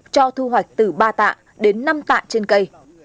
cho thu hoạch từ ba tạ đến năm tạ trên cây